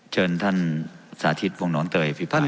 เชิญท่านสาธิตพวกน้องเตยฟิภาค